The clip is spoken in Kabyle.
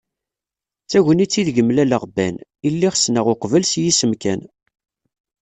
D tagnit ideg mlaleɣ Ben, i lliɣ ssneɣ uqbel s yisem kan.